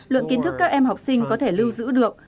lượng kiến thức các em học sinh có thể lưu giữ được